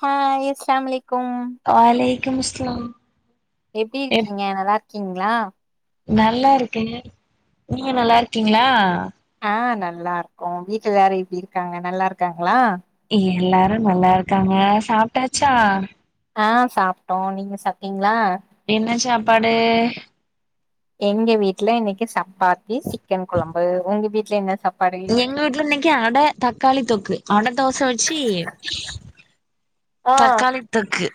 Hi ஸ்லாம்மலேக்கும் அலேக்கும் ஸ்லாம் எப்டி இருக்கீங்க நல்லா இருக்கீங்ளா நல்லா இருக்கேங்க நீங்க நல்லா இருக்கீங்ளா ஆ நல்லா இருக்கோ வீட்ல எல்லாரு எப்டி இருக்காங்க நல்லா இருக்காங்ளா இங்க எல்லாரு நல்லா இருக்காங்க சாப்டாச்சா ஆ சாப்ட்டோ நீங்க சாப்டீங்ளா என்ன சாப்பாடு எங்க வீட்ல இன்னைக்கி சப்பாத்தி சிக்கன் கொழம்பு உங்க வீட்ல என்ன சாப் எங்கூட்ல இன்னைக்கி அட தக்காளி தொக்கு அட தோச வெச்சி ஆ தக்காளி தொக்கு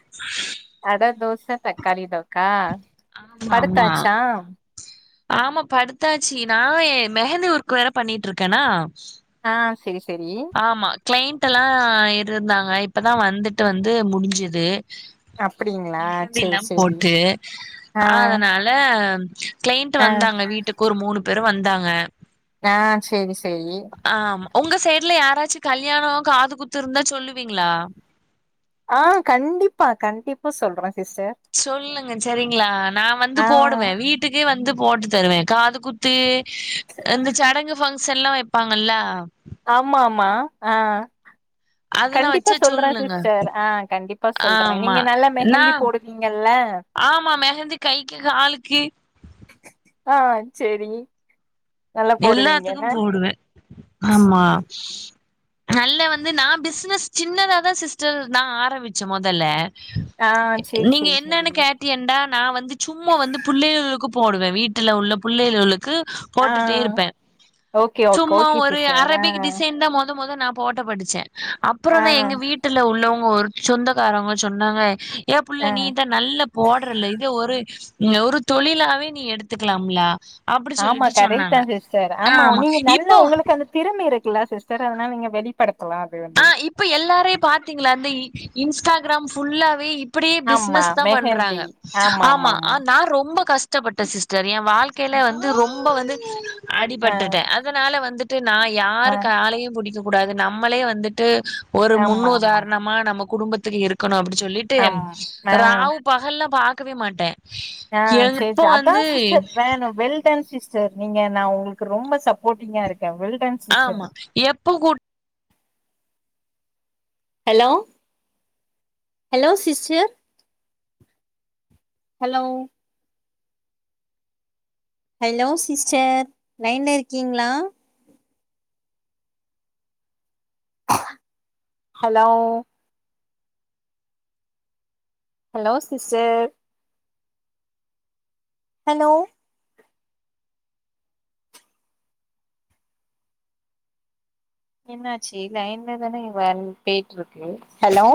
அட தோச தக்காளி தொக்கா ஆமா ஆமா படுத்தாச்சா ஆமா படுத்தாச்சு நா ஏ மெஹந்தி ஒர்க்கு வேற பண்ணிட்ருக்கேனா ஆ செரி செரி ஆமா க்ளெய்ண்ட்டெல்லா இருந்தாங்க இப்பதா வந்துட்டு வந்து முடிஞ்சுது அப்டிங்களா மெஹந்தில்லா செரி செரி போட்டு ஆ அதனால த க்ளெய்ண்ட்டு ஆ வந்தாங்க வீட்டுக்கு ஒரு மூணு பேரு வந்தாங்க ஆ செரி செரி ஆமா உங்க சைட்ல யாராச்சு கல்யாணோ காதுகுத்து இருந்தா சொல்லுவீங்ளா ஆ கண்டிப்பா கண்டிப்பா சொல்றே சிஸ்டர் சொல்லுங்க செரிங்ளா நா வந்து ஆ போடுவே வீட் டுக்கே வந்து போட்டு தருவே காது குத்து அந்த சடங்கு ஃபங் ஷன்லா வெப்பாங்கள்ல ஆமா ஆமா ஆ அதெல்லா கண்டிப்பா வச்சா சொல்றே சொல்லுங்க சிஸ்டர் ஆ கண்டிப்பா சொல்றே ஆமா நீங்க நல்லி நா மெஹந்தி போடுவீங்கல்ல ஆமா மெஹந்தி கைக்கு காலுக்கு ஆ செரி எல்லாத்துக்கு போடுவே நல்ல வந்து நா பிசினஸ் சின்னதாதா சிஸ்டர் நா ஆரம்பிச்சே மொதல்ல ஆ சரி, நீங்க சரி, சரி. என்னனு கேட் டியன்டா நா வந்து சும்மா வந்து புள்ளையளுக்கு போடுவே வீட்டுல உள்ள புள்ளையளுவளுக்கு ஆ வுட்டுட்டே இருப்பே ஓகே, ஓகே, சும்மா ஓகே ஒரு சிஸ்டர். ஆ, அரபிக் டிசைன் தா மொத மொத நா போட்டப்படிச்ச ஆ, அப்பறமே எங்க வீட்ல உள்ளவங்க ஒருச் சொந்தக்காரவங்கச் சொன்னாங்க ஏ ஆ. புள்ள நீதா நல்லப் போட்றல்லே இதே ஒரே உம் ஒரு தொழிலாவே நீ எடுத்துக்கலாம்லா அப்டி சொல்லிட்டு கரெக்ட்தா சொன்னாங்க சிஸ்டர் ஆமா நீங்க நல்ல உங்களுக்கு அந்த திறம இருக்குல்ல சிஸ்டர் அதனா நீங்க வெளிப்படுத்தலா அது ஆ வந்து இப்ப எல்லாரைப் பாத்தீங்ளா அந்த இ இன்ஸ்டாகிராம் ஃபுல்லாவே இப் டி ஆமா பிஸ்னஸ் தா மெஹந்தி. பண்றாங்க ஆமா ஆமாமாமா. ஆ நா ரொம்ப கஷ் டப்பட்ட சிஸ்டர் என் வாழ்க்கையில வந்து ரொம்ப வந்து அ, ஆ, அடிபட்டுட்டே அதனால வந்து ட்டு நா ஆ. யாரு காலையு புடிக்க கூடாது நம்மளே வந்துட்டு ஒரு முன் ஆமாமா. உதாரணமா நம்ம குடும்பத்துக்கு இருக்கணு அப்டி சொல்லிட்டு ஆம். ஆ. ராவு பகல்லா பாக்கவே மாட்டே ஆ சே எப்ப ச அதான் வந்து சிஸ்டர் வேணு வெல்டன் சிஸ் டர் நீங்க நா உங்குளுக்கு ரொம்ப சப்போட்டிங்கா இருக்கே வெல்டன் ஆமா எப்ப கூ hello hello sister hello hello sister லைன்ல இருக்கீங்ளா ஹலோ ஹலோ சிஸ்டர் ஹலோ என்னாச்சு லைன்ல தானே வன் போயிட்டு இருக்கு ஹலோ